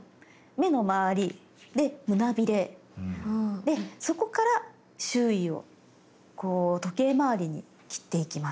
目のまわり。で胸ビレでそこから周囲をこう時計まわりに切っていきます。